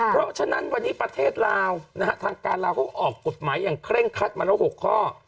เพราะฉะนั้นวันนี้ประเทศลาวนะฮะทางการลาวเขาออกกฎหมายอย่างเคร่งคัดมาแล้ว๖ข้อ